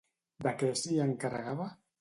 De què s'hi encarregava?